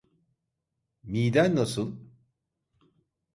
Miden nasıl?